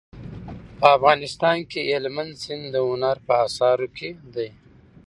په افغانستان کې هلمند سیند د هنر په اثارو کې دی.